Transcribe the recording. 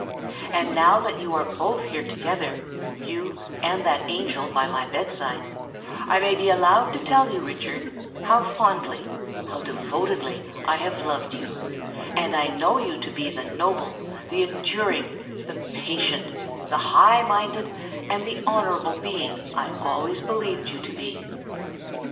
And now that you are both here together—you and that angel, by my bed side,—I may be allowed to tell you, Richard, how fondly—how devotedly I have loved you; and I know you to be the noble, the enduring, the patient, the high minded, and the honourable being I always believed you to be.